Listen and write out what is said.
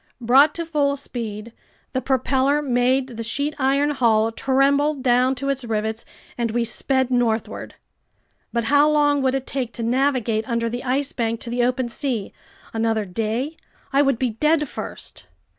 Brought to full speed, the propeller made the sheet iron hull tremble down to its rivets, and we sped northward. But how long would it take to navigate under the Ice Bank to the open sea? Another day? I would be dead first!